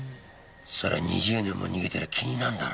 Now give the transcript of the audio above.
そりゃ２０年も逃げてりゃ気になるだろ。